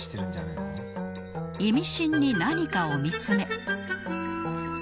イミシンに何かを見つめ